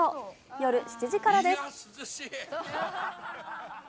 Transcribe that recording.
夜７時からです。